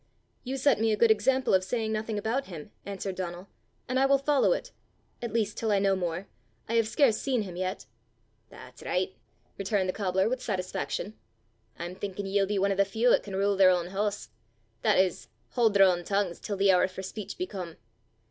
"You set me a good example of saying nothing about him," answered Donal; "and I will follow it at least till I know more: I have scarce seen him yet." "That's right!" returned the cobbler with satisfaction. "I'm thinkin' ye'll be ane o' the feow 'at can rule their ane hoose that is, haud their ain tongues till the hoor for speech be come.